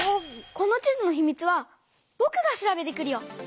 この地図のひみつはぼくが調べてくるよ！